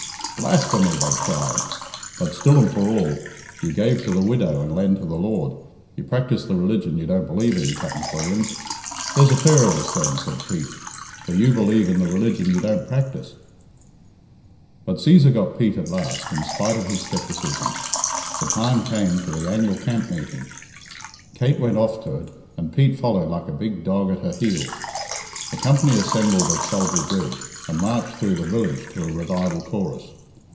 "Blasphemy," they cried. "But still and for all, you give to the widow and lend to the Lord you practise the religion you don't believe in, Cap'n Quilliam." "There's a pair of us, then." said Pete, "for you believe in the religion you don't practise." But Cæsar got Pete at last, in spite of his scepticism. The time came for the annual camp meeting. Kate went off to it, and Pete followed like a big dog at her heels. The company assembled at Sulby Bridge, and marched through the village to a revival chorus.